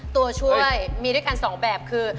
ตัวช่วยมีด้วยกัน๒แบบคือ